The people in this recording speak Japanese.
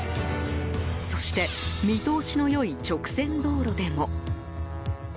そして、見通しの良い直線道路でも。